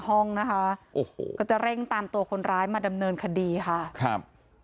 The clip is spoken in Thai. หนูก็เลยพอจำรูปล่างลักษณะมาได้ว่ามันเป็นยังไง